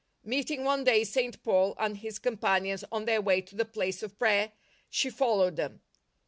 Meeting one day St. Paul and his companions on their way to the place of prayer, she followed them.